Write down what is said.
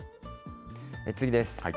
次です。